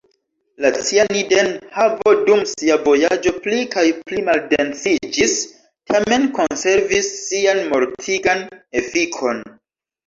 La cianidenhavo dum sia vojaĝo pli kaj pli maldensiĝis, tamen konservis sian mortigan efikon.